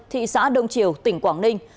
thị xã đông triều tỉnh quảng ninh